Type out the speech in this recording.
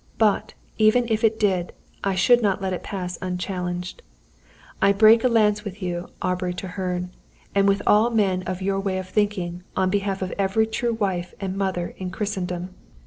But, even if it did, I should not let it pass unchallenged. I break a lance with you, Aubrey Treherne, and with all men of your way of thinking, on behalf of every true wife and mother in Christendom!